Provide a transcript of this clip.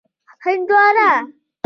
🍉 هندوانه